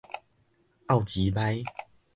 漚膣屄